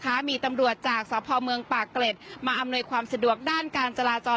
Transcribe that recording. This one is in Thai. มีตำรวจจากสพเมืองปากเกร็ดมาอำนวยความสะดวกด้านการจราจร